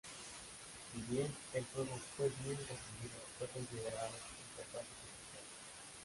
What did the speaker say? Si bien el juego fue bien recibido, fue considerado un fracaso comercial.